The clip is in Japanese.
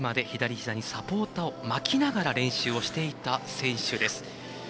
左ひざにサポーターを巻きながら練習をしてた選手です。